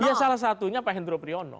dia salah satunya pak hendro priyono